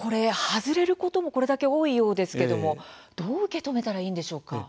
外れることもこれだけ多いようですけれどもどう受け止めたらいいんでしょうか？